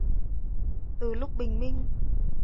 Từ lúc bình minh